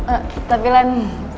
eh tapi lani